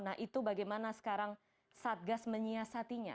nah itu bagaimana sekarang satgas menyiasatinya